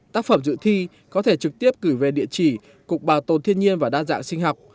tác phẩm dự thi có thể trực tiếp cử về địa chỉ cục bảo tồn thiên nhiên và đa dạng sinh học